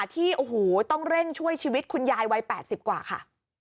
ที่โอ้โหต้องเร่งช่วยชีวิตคุณยายวัย๘๐กว่าค่ะ